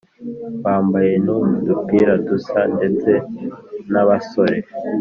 bambaye n’udupira dusa ndetse n’abasore